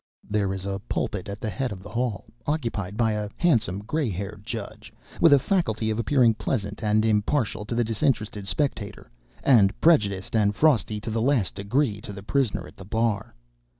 There is a pulpit at the head of the hall, occupied by a handsome gray haired judge, with a faculty of appearing pleasant and impartial to the disinterested spectator, and prejudiced and frosty to the last degree to the prisoner at the bar.